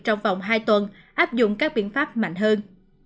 trong vòng hai tuần áp dụng các biện pháp mạnh hơn